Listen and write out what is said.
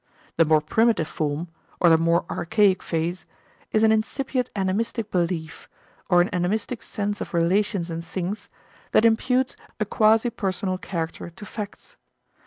The more primitive form (or the more archaic phase) is an incipient animistic belief, or an animistic sense of relations and things, that imputes a quasi personal character to facts.